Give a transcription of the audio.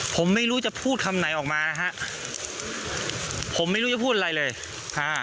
ผมไม่รู้จะพูดคำไหนออกมานะฮะผมไม่รู้จะพูดอะไรเลยอ่า